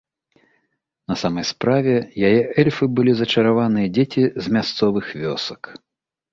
На самай справе, яе эльфы былі зачараваныя дзеці з мясцовых вёсак.